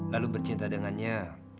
lalu bercinta dengannya